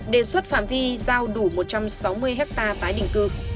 đề xuất phạm vi giao đủ một trăm sáu mươi hectare tái định cư